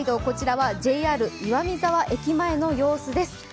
こちらはＪＲ岩見沢駅前の様子です。